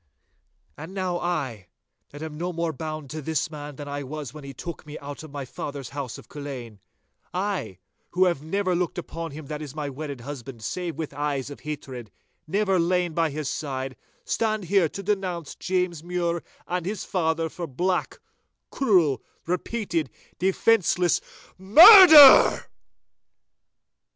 'And now I, that am no more bound to this man than I was when he took me out of my father's house of Culzean—I, who have never looked upon him that is my wedded husband save with eyes of hatred, never lain by his side, stand here to denounce James Mure and his father for black, cruel, repeated, defenceless MURDER!